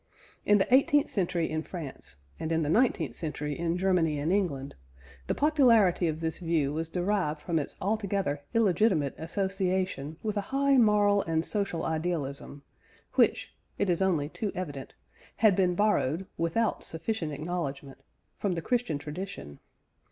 In the eighteenth century in France, and in the nineteenth century in Germany and England, the popularity of this view was derived from its altogether illegitimate association with a high moral and social idealism, which (it is only too evident) had been borrowed without sufficient acknowledgment from the Christian tradition.